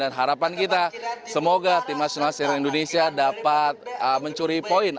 dan harapan kita semoga timasional sender indonesia dapat mencuri poin